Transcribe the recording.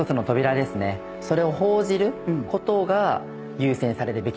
それを報じる事が優先されるべきなのか